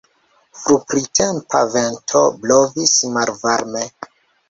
Fruprintempa vento blovis malvarme.